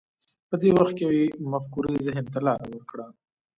په دې وخت کې یوې مفکورې ذهن ته لار وکړه